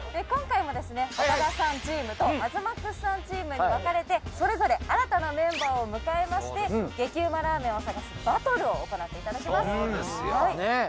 今回もですね岡田さんチームと東ＭＡＸさんチームに分かれてそれぞれ新たなメンバーを迎えまして激うまラーメンを探すバトルをおこなっていただきます。